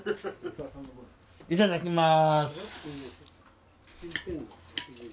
いただきます。